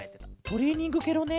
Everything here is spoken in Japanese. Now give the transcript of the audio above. トレーニングケロね。